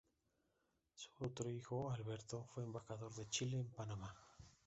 Su otro hijo, Alberto, fue embajador de Chile en Panamá.